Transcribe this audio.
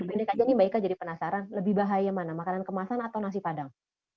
ini aja mba ika jadi penasaran lebih bahaya mana makanan kemasan atau nasi padang